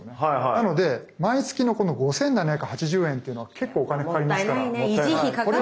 なので毎月のこの５，７８０円っていうのは結構お金かかりますから。もったいないね。